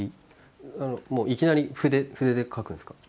もういきなり筆で描くんですか？